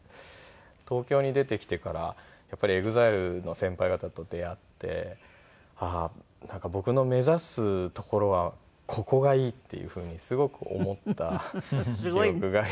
東京に出てきてからやっぱりＥＸＩＬＥの先輩方と出会ってああー僕の目指すところはここがいいっていうふうに。